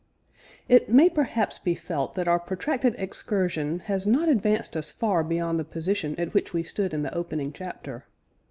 It may perhaps be felt that our protracted excursion has not advanced us far beyond the position at which we stood in the opening chapter.